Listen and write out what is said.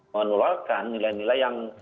mengeluarkan nilai nilai yang